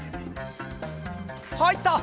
はいった！